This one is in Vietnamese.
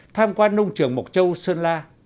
tham quan nông trường mộc châu sơn la